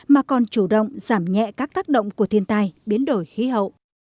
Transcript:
mà còn chủ động giảm nhẹ các tác động của thiên tai biến đổi khí hậu